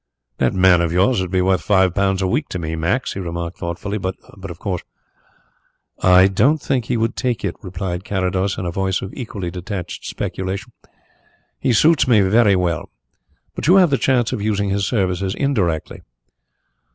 "That man of yours would be worth five pounds a week to me, Max," he remarked thoughtfully. "But, of course " "I don't think that he would take it," replied Carrados, in a voice of equally detached speculation. "He suits me very well. But you have the chance of using his services indirectly."